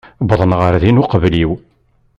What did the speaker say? Wwḍen ɣer din uqbel-iw.